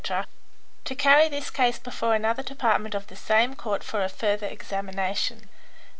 to carry this case before another department of the same Court for a further examination.